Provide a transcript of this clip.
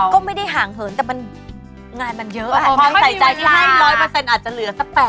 ได้ที่ให้๑๐๐อาจจะเหลือสัก๘๐